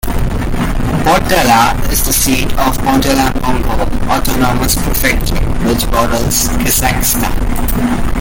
Bortala is the seat of Bortala Mongol Autonomous Prefecture, which borders Kazakhstan.